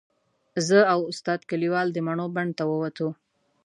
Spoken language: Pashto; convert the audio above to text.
زه او استاد کلیوال د مڼو بڼ ته ووتو.